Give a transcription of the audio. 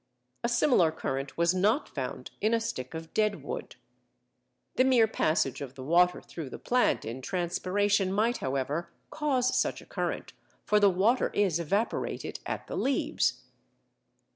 A similar current was not found in a stick of dead wood. The mere passage of the water through the plant in transpiration might, however, cause such a current, for the water is evaporated at the leaves.